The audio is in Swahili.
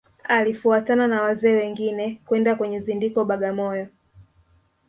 Alifuatana na wazee wengine kwenda kwenye zindiko Bagamoyo